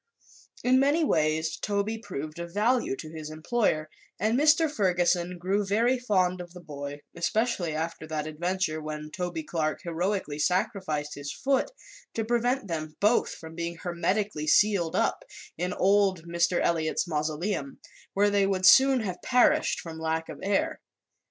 In many ways Toby proved of value to his employer and Mr. Ferguson grew very fond of the boy, especially after that adventure when Toby Clark heroically sacrificed his foot to prevent them both from being hermetically sealed up in old Mr. Eliot's mausoleum, where they would soon have perished from lack of air.